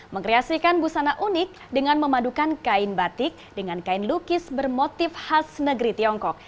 mengkreasikan busana unik dengan memadukan kain batik dengan kain lukis bermotif khas negeri tiongkok